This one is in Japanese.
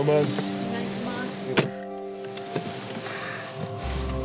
お願いします